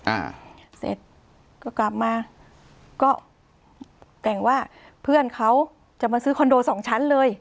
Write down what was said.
อ่าเสร็จก็กลับมาก็แต่งว่าเพื่อนเขาจะมาซื้อคอนโดสองชั้นเลย